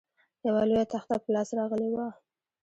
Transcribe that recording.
یوه لویه تخته په لاس راغلې وه.